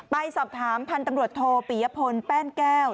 ไปสอบถามพันธุ์ตำรวจโทปิยพลแป้นแก้ว